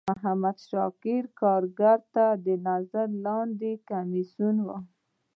د محمد شاکر کارګر تر نظر لاندی کمیسیون و.